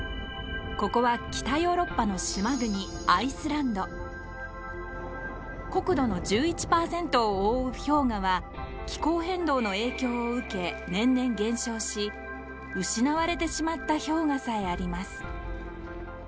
ここは北ヨーロッパの島国国土の１１％を覆う氷河は気候変動の影響を受け年々減少し失われてしまった氷河さえあります。